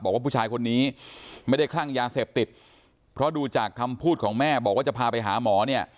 บอกว่าผู้ชายคนนี้ไม่ได้คลั่งยาเสพติดเพราะดูจากคำพูดของแม่บอกว่าจะพาไปหาหมอเนี่ย